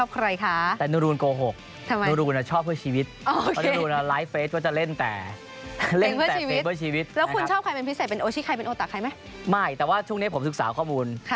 พอเขาเข้ามาในสิ่งที่เราอยู่กับฟุตบอล